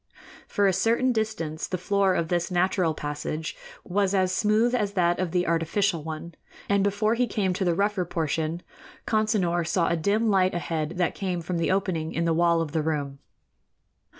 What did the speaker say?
For a certain distance the floor of this natural passage was as smooth as that of the artificial one, and before he came to the rougher portion, Consinor saw a dim light ahead that came from the opening in the wall of the room.